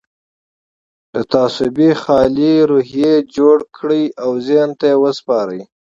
له تعصبه خالي روحيه جوړه کړئ او ذهن ته يې وسپارئ.